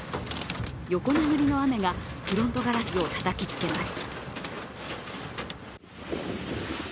横殴りの雨がフロントガラスをたたきつけます。